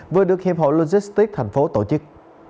vừa được hiệp hội logistics tp hcm tổ chức